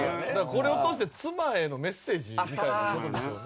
これを通して妻へのメッセージみたいな事でしょうね。